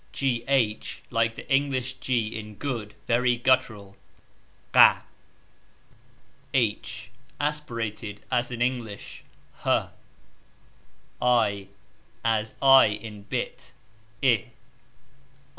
...... Like the English g in good, very guttural ... Aspirated, as in English ......... As i in bit ......